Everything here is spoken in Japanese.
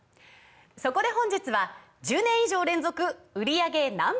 そこで本日は１０年以上連続売り上げＮｏ．１